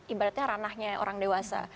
ibaratnya ranahnya orang dewasa